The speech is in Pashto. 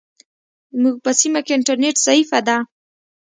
زموږ په سیمه کې انټرنیټ ضعیفه ده.